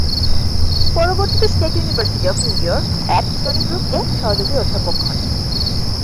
পরবর্তীতে State University of New York at Stony Brook এ সহযোগী অধ্যাপক হন।